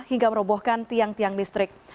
hingga merobohkan tiang tiang listrik